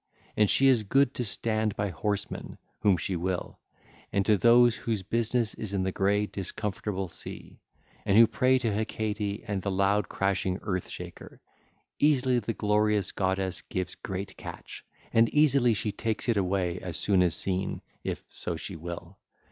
And she is good to stand by horsemen, whom she will: and to those whose business is in the grey discomfortable sea, and who pray to Hecate and the loud crashing Earth Shaker, easily the glorious goddess gives great catch, and easily she takes it away as soon as seen, if so she will.